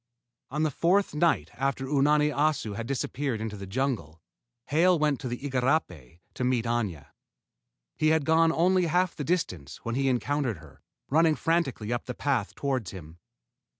On the fourth night after Unani Assu had disappeared into the jungle, Hale went to the igarapé to meet Aña. He had gone only half the distance when he encountered her, running frantically up the path toward him.